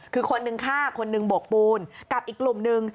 คือคนหนึ่งฆ่าคนหนึ่งบกปูนกับอีกกลุ่มนึง